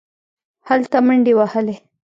هلته منډې وهلې.